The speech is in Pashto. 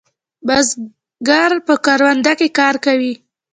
بزگر په کرونده کې کار کوي.